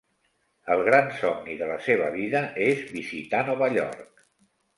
El gran somni de la seva vida, és visitar Nova York.